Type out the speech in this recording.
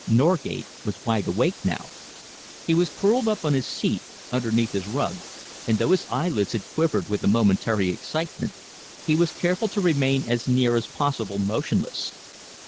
Norgate was wide awake now. He was curled up on his seat, underneath his rug, and though his eyelids had quivered with a momentary excitement, he was careful to remain as near as possible motionless.